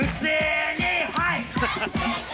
はい！